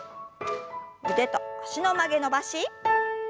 腕と脚の曲げ伸ばし。